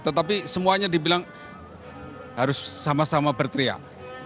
tetapi semuanya dibilang harus sama sama berteriak